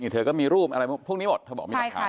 เธอก็มีรูปอะไรพวกนี้หมดเธอบอกมีหลักฐาน